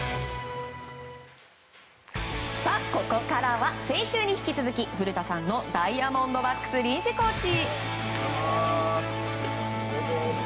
さあ、ここからは先週に引き続き古田さんのダイヤモンドバックス臨時コーチ。